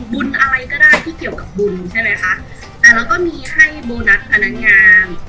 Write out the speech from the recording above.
อะไรก็ได้ที่เกี่ยวกับบุญใช่ไหมคะอ่าแล้วก็มีให้โบนัสพนักงาน